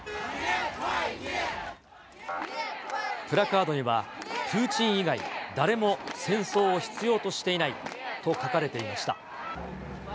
プラカードにはプーチン以外誰も戦争を必要としていないと書かれていました。